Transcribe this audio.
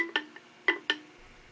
jururaksa atau penyampai perang